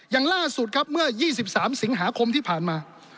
อย่างล่าสุดครับเมื่อ๒๓สิงหาคมที่ผ่านมา